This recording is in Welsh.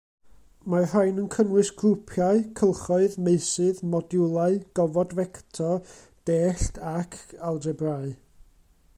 Mae'r rhain yn cynnwys grwpiau, cylchoedd, meysydd, modiwlau, gofod fector, dellt ac algebrâu.